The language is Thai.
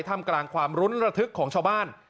ทำกลางความรุ้นระทึกของชาวบ้าน